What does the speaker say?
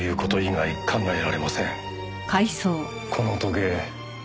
この時計